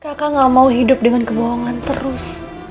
kakak gak mau hidup dengan kebohongan terus